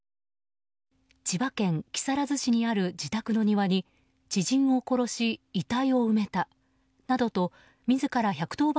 千葉県木更津市にある自宅の庭に知人を殺し遺体を埋めたなどと自ら１１０番